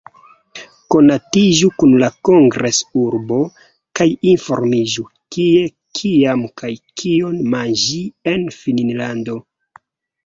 Konatiĝu kun la kongres-urbo, kaj informiĝu kie, kiam, kaj kion manĝi en Finnlando.